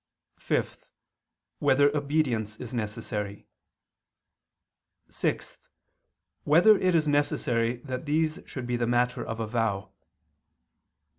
(5) Whether obedience is necessary? (6) Whether it is necessary that these should be the matter of a vow?